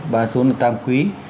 ba số là tam quý